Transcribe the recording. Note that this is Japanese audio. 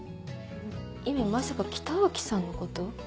ゆみまさか北脇さんのこと。